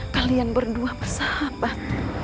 kalian berdua bersahabat